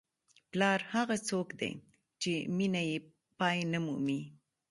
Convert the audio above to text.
پلار هغه څوک دی چې مینه یې پای نه مومي.